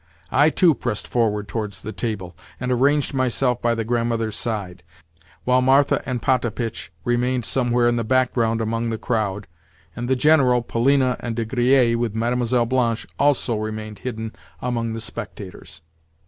I too pressed forward towards the table, and ranged myself by the Grandmother's side; while Martha and Potapitch remained somewhere in the background among the crowd, and the General, Polina, and De Griers, with Mlle. Blanche, also remained hidden among the spectators.